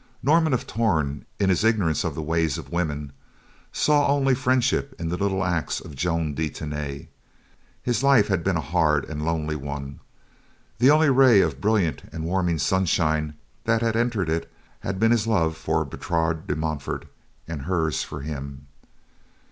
Norman of Torn, in his ignorance of the ways of women, saw only friendship in the little acts of Joan de Tany. His life had been a hard and lonely one. The only ray of brilliant and warming sunshine that had entered it had been his love for Bertrade de Montfort and hers for him.